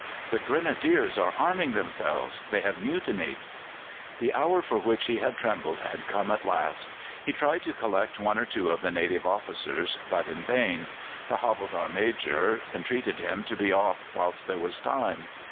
"The Grenadiers are arming themselves. They have mutinied!" The hour for which he had trembled had come at last. He tried to collect one or two of the native officers, but in vain. The havildar major entreated him to be off whilst there was time.